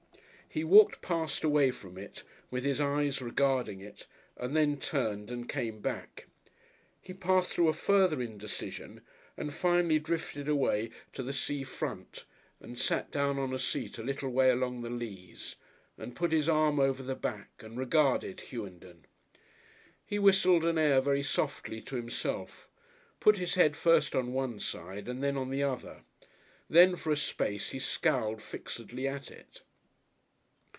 He walked past away from it, with his eyes regarding it, and then turned and came back. He passed through a further indecision, and finally drifted away to the sea front and sat down on a seat a little way along the Leas and put his arm over the back and regarded "Hughenden." He whistled an air very softly to himself, put his head first on one side and then on the other. Then for a space he scowled fixedly at it.